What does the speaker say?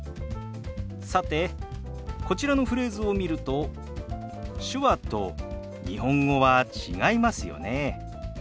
さてこちらのフレーズを見ると手話と日本語は違いますよね。